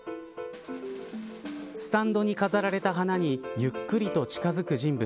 スタンドに飾られた花にゆっくりと近づく人物。